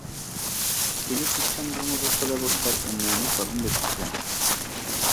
তিনি খ্রিস্টান ধর্মতত্ত্ব ব্যবস্থার উন্নয়নের প্রধান ব্যক্তি ছিলেন।